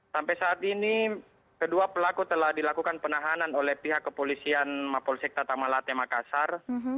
sampai saat ini kedua pelaku telah dilakukan penahanan oleh pihak kepolisian mapolsek tata malate makassar